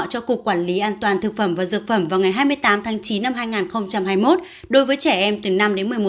về vụ quản lý an toàn thực phẩm và dược phẩm vào ngày hai mươi tám tháng chín năm hai nghìn hai mươi một đối với trẻ em từ năm đến